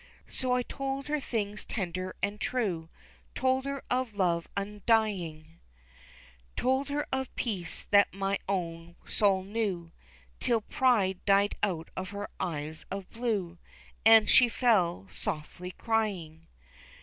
So I told her things tender and true, Told her of love undying, Told her of peace that my own soul knew, Till pride died out of her eyes of blue An' she fell softly crying.